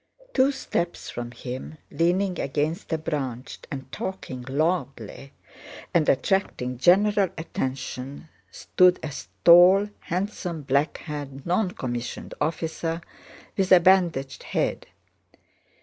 Two steps from him, leaning against a branch and talking loudly and attracting general attention, stood a tall, handsome, black haired noncommissioned officer with a bandaged head.